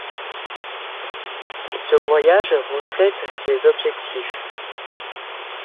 Ce voyage reflète ces objectifs.